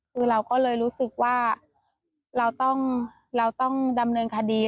คือเราก็เลยรู้สึกว่าเราต้องดำเนินคดี